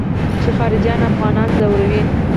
چې خارجيان افغانان ځوروي.